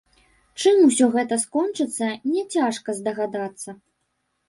Чым усё гэта скончыцца, не цяжка здагадацца.